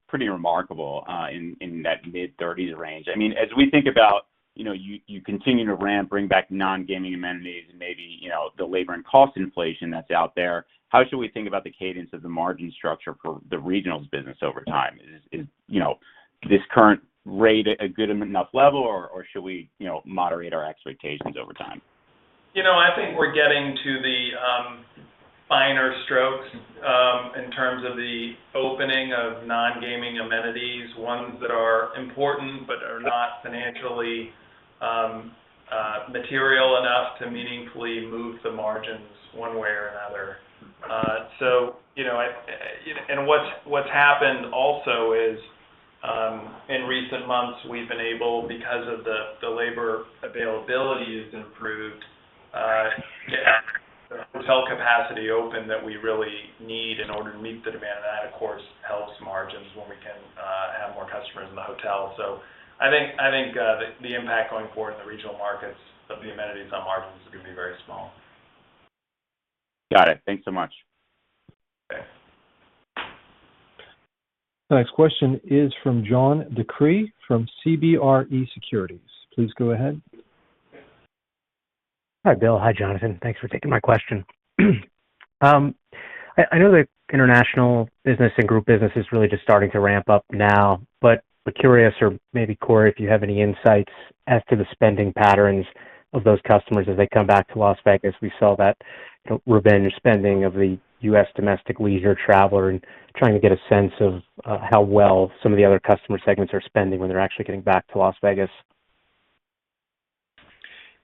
pretty remarkable in that mid-30s% range. I mean, as we think about You know, you continue to ramp, bring back non-gaming amenities and maybe, you know, the labor and cost inflation that's out there. How should we think about the cadence of the margin structure for the regionals business over time? Is, you know, this current rate a good enough level or should we, you know, moderate our expectations over time? You know, I think we're getting to the finer strokes in terms of the opening of non-gaming amenities, ones that are important but are not financially material enough to meaningfully move the margins one way or another. So you know, and what's happened also is in recent months, we've been able because of the labor availability has improved to add the hotel capacity open that we really need in order to meet the demand. That, of course, helps margins when we can have more customers in the hotel. I think the impact going forward in the regional markets of the amenities on margins is gonna be very small. Got it. Thanks so much. Okay. The next question is from John DeCree from CBRE Securities. Please go ahead. Hi, Bill. Hi, Jonathan. Thanks for taking my question. I know the international business and group business is really just starting to ramp up now, but we're curious or maybe Corey, if you have any insights as to the patterns of those customers as they come back to Las Vegas. We saw that revenge spending of the U.S. domestic leisure traveler and trying to get a sense of how well some of the other customer segments are spending when they're actually getting back to Las Vegas.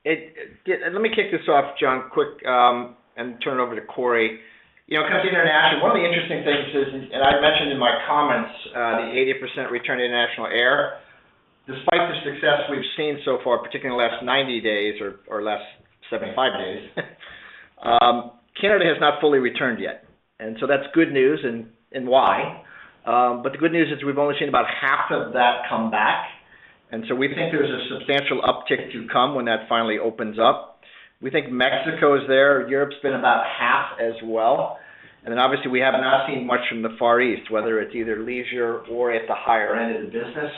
Yeah, let me kick this off, John, quick, and turn it over to Corey. You know, when it comes to international, one of the interesting things is, and I mentioned in my comments, the 80% return to international air. Despite the success we've seen so far, particularly in the last 90 days or last 75 days, Canada has not fully returned yet. That's good news and why. But the good news is we've only seen about half of that come back, and we think there's a substantial uptick to come when that finally opens up. We think Mexico is there. Europe's been about half as well. Then obviously we have not seen much from the Far East, whether it's either leisure or at the higher end of the business.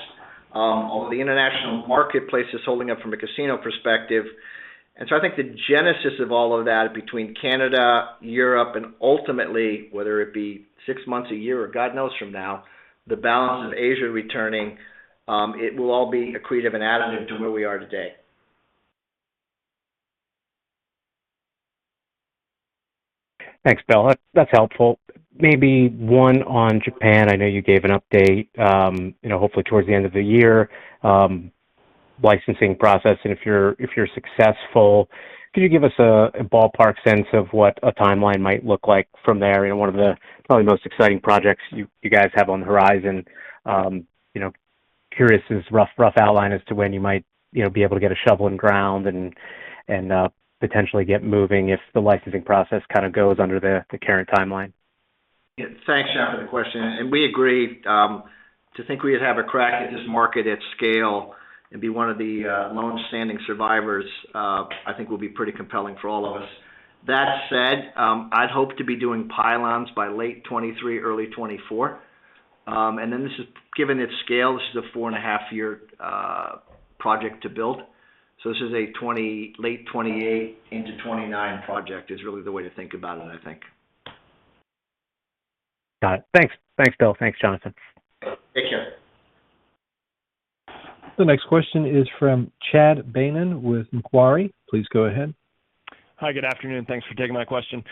The international marketplace is holding up from a casino perspective. I think the genesis of all of that between Canada, Europe, and ultimately, whether it be six months, a year, or God knows from now, the balance of Asia returning, it will all be accretive and additive to where we are today. Thanks, Bill. That's helpful. Maybe one on Japan. I know you gave an update, you know, hopefully towards the end of the year, licensing process. If you're successful, could you give us a ballpark sense of what a timeline might look like from there? You know, one of the probably most exciting projects you guys have on the horizon. You know, curious as rough outline as to when you might, you know, be able to get a shovel in ground and potentially get moving if the licensing process kind of goes under the current timeline. Yeah. Thanks, John, for the question. We agree to think we would have a crack at this market at scale and be one of the longstanding survivors, I think will be pretty compelling for all of us. That said, I'd hope to be doing pylons by late 2023, early 2024. This is given its scale, this is a 4.5-year project to build. This is a late 2028 into 2029 project is really the way to think about it, I think. Got it. Thanks. Thanks, Bill. Thanks, Jonathan. Take care. The next question is from Chad Beynon with Macquarie. Please go ahead. Hi, good afternoon. Thanks for taking my question.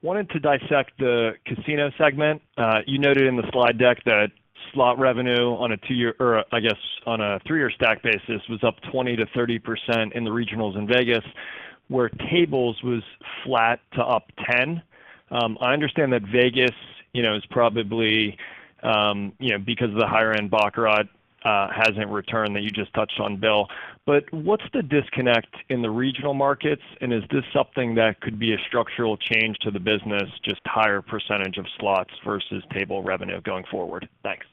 Wanted to dissect the casino segment. You noted in the slide deck that slot revenue on a two-year or, I guess, on a three-year stack basis was up 20%-30% in the regionals in Vegas, where tables was flat to up 10%. I understand that Vegas, you know, is probably, you know, because of the higher-end baccarat, hasn't returned that you just touched on, Bill. What's the disconnect in the regional markets, and is this something that could be a structural change to the business, just higher percentage of slots versus table revenue going forward? Thanks.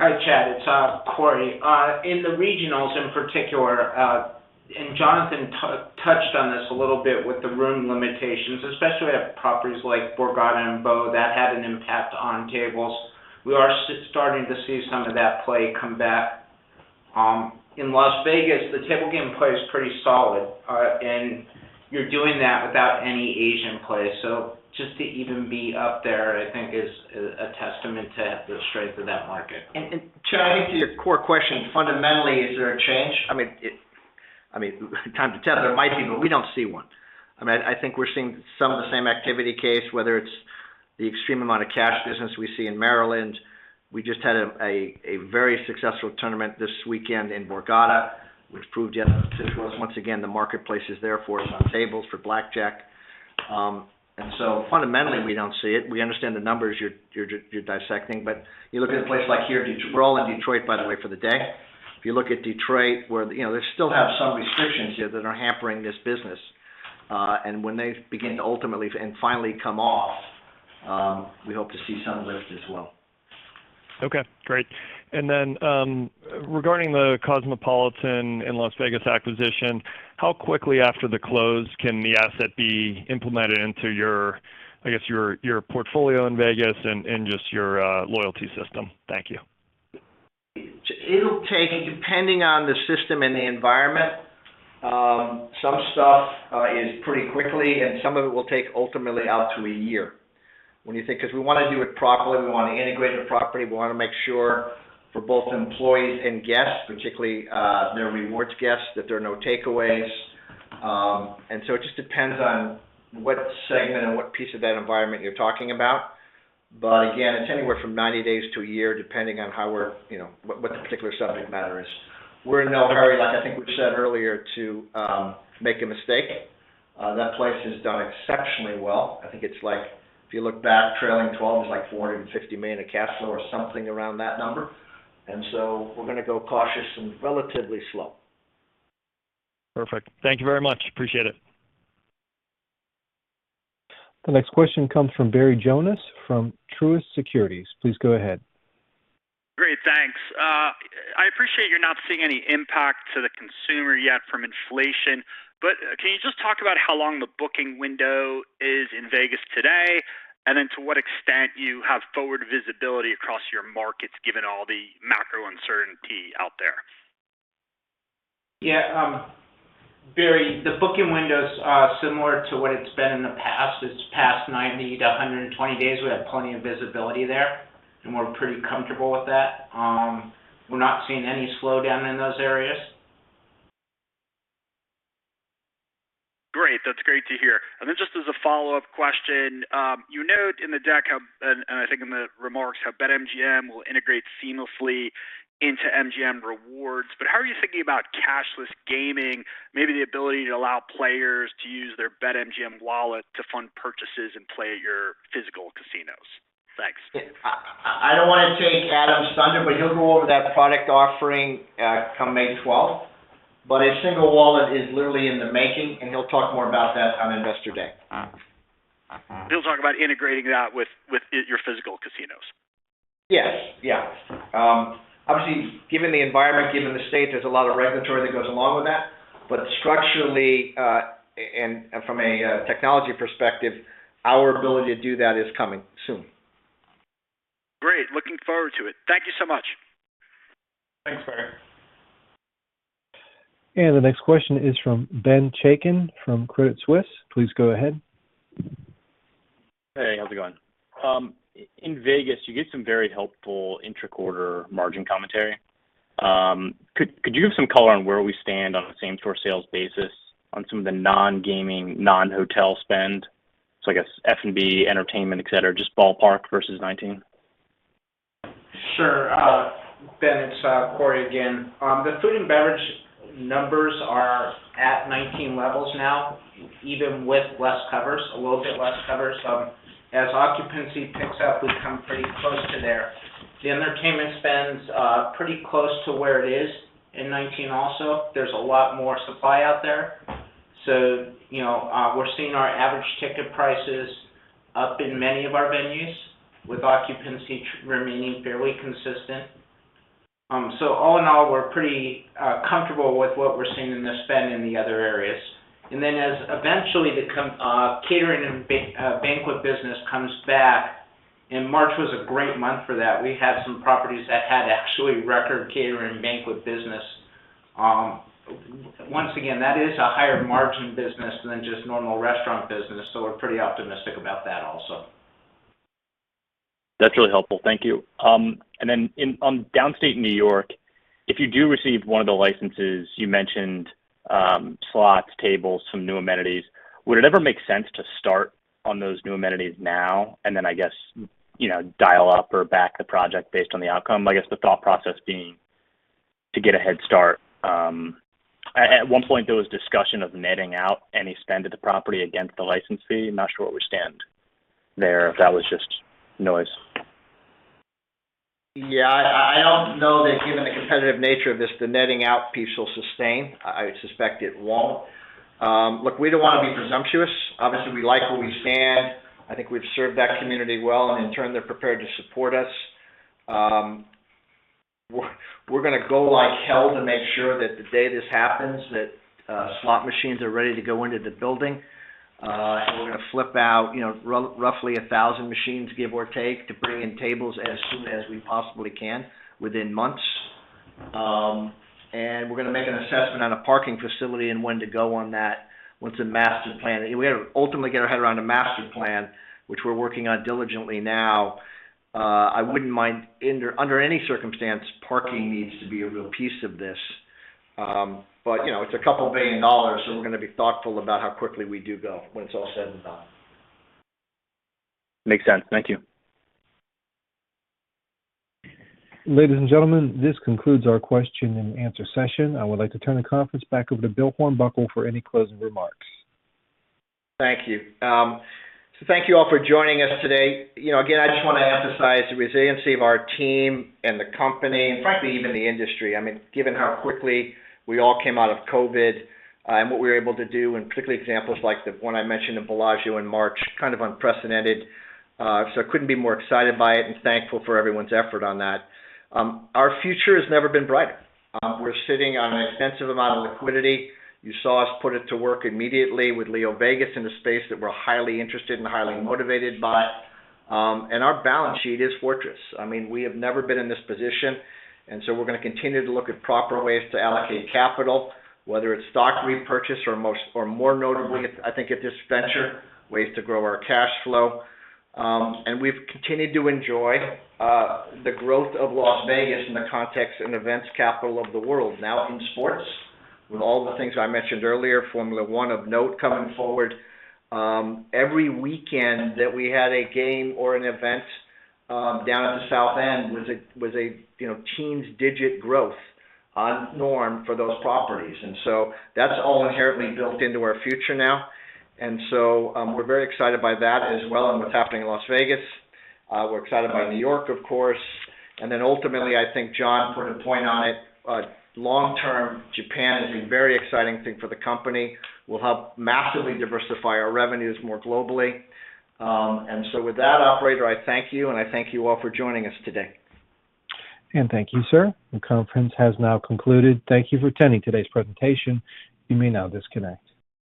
Hi, Chad. It's Corey. In the regionals in particular, Jonathan touched on this a little bit with the room limitations, especially at properties like Borgata and Beau Rivage that had an impact on tables. We are starting to see some of that play come back. In Las Vegas, the table game play is pretty solid, and you're doing that without any Asian play. Just to even be up there, I think is a testament to the strength of that market. Chad, I think to your core question, fundamentally, is there a change? I mean, time will tell, there might be, but we don't see one. I mean, I think we're seeing some of the same activity base, whether it's the extreme amount of cash business we see in Maryland. We just had a very successful tournament this weekend in Borgata, which proved yet once again the marketplace is there for us on tables for blackjack. Fundamentally, we don't see it. We understand the numbers you're dissecting, but you look at a place like Detroit. We're all in Detroit, by the way, for the day. If you look at Detroit, where, you know, they still have some restrictions here that are hampering this business. When they begin to ultimately and finally come off, we hope to see some lift as well. Regarding The Cosmopolitan of Las Vegas acquisition, how quickly after the close can the asset be implemented into your, I guess, your portfolio in Vegas and just your loyalty system? Thank you. It'll take, depending on the system and the environment, some stuff is pretty quick, and some of it will take ultimately up to a year. When you think, because we wanna do it properly, we wanna integrate it properly. We wanna make sure for both employees and guests, particularly, their rewards guests, that there are no takeaways. It just depends on what segment and what piece of that environment you're talking about. But again, it's anywhere from 90 days to a year, depending on how we're, you know, what the particular subject matter is. We're in no hurry, like I think we said earlier, to make a mistake. That place has done exceptionally well. I think it's like, if you look back trailing twelve, it's like $450 million in cash flow or something around that number. We're gonna go cautious and relatively slow. Perfect. Thank you very much. Appreciate it. The next question comes from Barry Jonas from Truist Securities. Please go ahead. Great, thanks. I appreciate you're not seeing any impact to the consumer yet from inflation, but can you just talk about how long the booking window is in Vegas today, and then to what extent you have forward visibility across your markets, given all the macro uncertainty out there? Barry, the booking window's similar to what it's been in the past. It's past 90-120 days. We have plenty of visibility there, and we're pretty comfortable with that. We're not seeing any slowdown in those areas. Great. That's great to hear. Then just as a follow-up question, you note in the deck and I think in the remarks how BetMGM will integrate seamlessly into MGM Rewards. But how are you thinking about cashless gaming, maybe the ability to allow players to use their BetMGM wallet to fund purchases and play at your physical casinos? Thanks. I don't wanna take Adam's thunder, but he'll go over that product offering come May twelfth. A single wallet is literally in the making, and he'll talk more about that on Investor Day. He'll talk about integrating that with your physical casinos. Yes. Yeah. Obviously, given the environment, given the state, there's a lot of regulation that goes along with that. Structurally, and from a technology perspective, our ability to do that is coming soon. Great. Looking forward to it. Thank you so much. Thanks, Barry. The next question is from Ben Chaiken from Credit Suisse. Please go ahead. Hey, how's it going? In Vegas, you get some very helpful intra-quarter margin commentary. Could you give some color on where we stand on a same-store sales basis on some of the non-gaming, non-hotel spend? I guess F&B, entertainment, et cetera, just ballpark versus 2019. Sure. Ben, it's Corey again. The food and beverage numbers are at 2019 levels now, even with less covers. As occupancy picks up, we come pretty close to there. The entertainment spend's pretty close to where it is in 2019 also. There's a lot more supply out there. You know, we're seeing our average ticket prices up in many of our venues with occupancy remaining fairly consistent. All in all, we're pretty comfortable with what we're seeing in the spend in the other areas. Eventually, the catering and banquet business comes back, and March was a great month for that. We had some properties that had actually record catering banquet business. Once again, that is a higher margin business than just normal restaurant business, so we're pretty optimistic about that also. That's really helpful. Thank you. On Downstate New York, if you do receive one of the licenses, you mentioned slots, tables, some new amenities. Would it ever make sense to start on those new amenities now and then, I guess, you know, dial up or back the project based on the outcome? I guess the thought process being to get a head start. At one point, there was discussion of netting out any spend of the property against the license fee. I'm not sure where we stand there, if that was just noise. Yeah. I don't know that given the competitive nature of this, the netting out piece will sustain. I suspect it won't. Look, we don't wanna be presumptuous. Obviously, we like where we stand. I think we've served that community well. In turn, they're prepared to support us. We're gonna go like hell to make sure that the day this happens that slot machines are ready to go into the building. We're gonna flip out, you know, roughly 1,000 machines, give or take, to bring in tables as soon as we possibly can within months. We're gonna make an assessment on a parking facility and when to go on that once a master plan. We gotta ultimately get our head around a master plan, which we're working on diligently now. I wouldn't mind under any circumstance, parking needs to be a real piece of this. You know, it's $2 billion, so we're gonna be thoughtful about how quickly we do go when it's all said and done. Makes sense. Thank you. Ladies and gentlemen, this concludes our Q&A session. I would like to turn the conference back over to Bill Hornbuckle for any closing remarks. Thank you. Thank you all for joining us today. You know, again, I just wanna emphasize the resiliency of our team and the company, and frankly, even the industry. I mean, given how quickly we all came out of COVID, and what we were able to do, and particularly examples like the one I mentioned in Bellagio in March, kind of unprecedented. I couldn't be more excited by it and thankful for everyone's effort on that. Our future has never been brighter. We're sitting on an extensive amount of liquidity. You saw us put it to work immediately with LeoVegas in a space that we're highly interested and highly motivated by. Our balance sheet is fortress. I mean, we have never been in this position, so we're gonna continue to look at proper ways to allocate capital, whether it's stock repurchase or more notably, I think at this venture, ways to grow our cash flow. We've continued to enjoy the growth of Las Vegas in the conventions and events capital of the world now in sports, with all the things I mentioned earlier, Formula One of note coming forward. Every weekend that we had a game or an event down at the South End was a, you know, teens digit growth above the norm for those properties. That's all inherently built into our future now. We're very excited by that as well and what's happening in Las Vegas. We're excited by New York, of course. Ultimately, I think Jon put a point on it, long-term, Japan is a very exciting thing for the company, will help massively diversify our revenues more globally. With that, operator, I thank you, and I thank you all for joining us today. Thank you, sir. The conference has now concluded. Thank you for attending today's presentation. You may now disconnect.